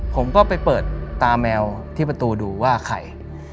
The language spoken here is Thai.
ผมก็ไปเปิดตาแมวที่ประตูดูว่าใคร